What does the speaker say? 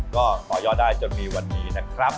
ก็ต่อยอดได้จนมีวันนี้นะครับ